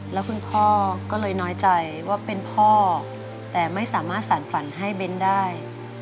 แล้วคุณพ่อก็เลยน้อยใจว่าเป็นพ่อแต่ไม่สามารถสารฝันให้เบ้นได้